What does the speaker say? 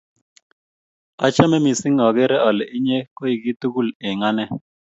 Achamin missing', akere ale inye koi kitugul eng' ane